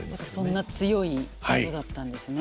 そんな強い人だったんですね。